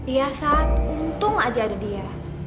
iya sangat untung aja ada dia